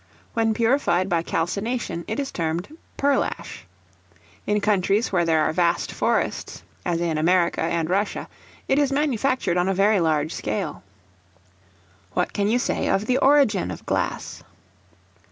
When purified by calcination, it is termed pearlash. In countries where there are vast forests, as in America and Russia, it is manufactured on a very large scale. What can you say of the origin of Glass?